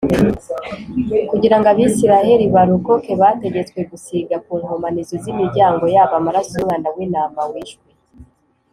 . Kugira ngo Abisiraheli barokoke, bategetswe gusiga ku nkomanizo z’imiryango yabo amaraso y’umwana w’intama wishwe